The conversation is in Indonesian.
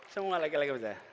semua laki laki bersama